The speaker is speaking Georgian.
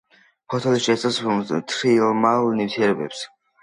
ფოთოლი შეიცავს მთრიმლავ ნივთიერებებს.